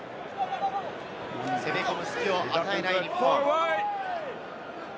攻め込む隙を与えない日本。